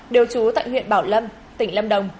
đều trú tại huyện bảo lâm tỉnh lâm đồng